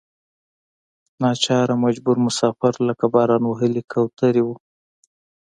ناچاره مجبور مسافر لکه باران وهلې کوترې وو.